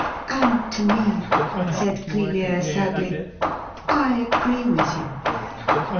' And to me,' said Clelia sadly. ' I agree with you.